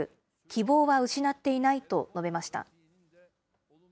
希望は失っていないと述べました。